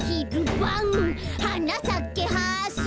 「はなさけハス」